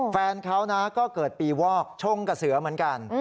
แฟนเขาก็เกิดปีวอกชงกับเสือเหมือนกัน